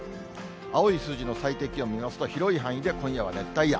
青い数字の最低気温見ますと、広い範囲で今夜は熱帯夜。